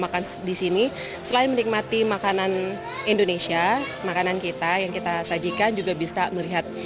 makan di sini selain menikmati makanan indonesia makanan kita yang kita sajikan juga bisa melihat